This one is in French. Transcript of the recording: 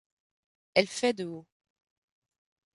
Elle fait de haut.